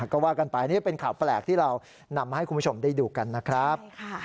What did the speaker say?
ก็ว่ากันไปนี่เป็นข่าวแปลกที่เรานำมาให้คุณผู้ชมได้ดูกันนะครับ